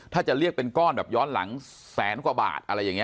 ถ้าจะเรียกเป็นก้อนแบบย้อนหลังแสนกว่าบาทอะไรอย่างนี้